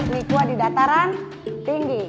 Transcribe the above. mikuah di dataran tinggi